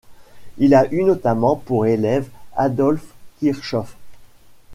Il a eu notamment pour élève Adolf Kirchhoff.